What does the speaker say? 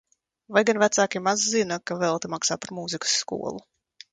Vai gan vecāki maz zina, ka velti maksā par mūzikas skolu?